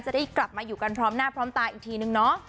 จะได้กลับมาอยู่กันพร้อมหน้าพร้อมตาอีกทีนึงเนาะ